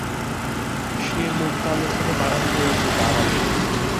সে মুখ কালো করে বারান্দায় এসে দাঁড়াল।